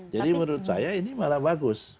jadi menurut saya ini malah bagus